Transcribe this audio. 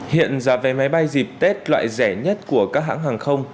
hiện giá vé máy bay dịp tết loại rẻ nhất của các hãng hàng không